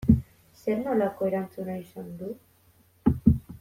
Zer nolako erantzuna izan du?